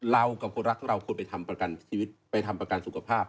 เรากับคนรักเราควรไปทำประกันชีวิตไปทำประกันสุขภาพ